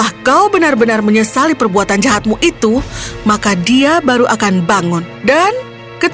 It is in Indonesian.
aku hanya ingin tempat berteduh dan juga makan malam yang hangat